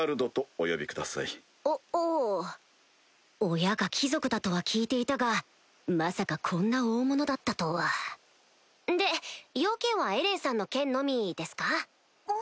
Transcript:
親が貴族だとは聞いていたがまさかこんな大物だったとはで用件はエレンさんの件のみですか？